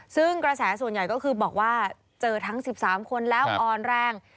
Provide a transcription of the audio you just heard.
ซึ่งกระแสส่วนใหญ่ก็คือบอกว่าเจอทั้ง๑๓คนแล้วอ่อนแรง